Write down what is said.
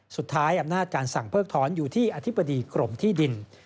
สุดท้ายอำนาจการสั่งเพิกถอนอยู่ที่อธิบดีกรมที่ดิน